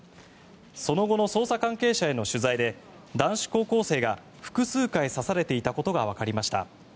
その後の捜査関係者への取材で男子高校生が複数回刺されていたことがわかりました。